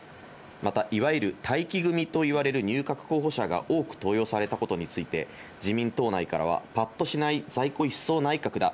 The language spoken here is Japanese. また、いわゆる待機組といわれる入閣候補者が多く登用されたことについて、自民党内からは、ぱっとしない在庫一掃内閣だ。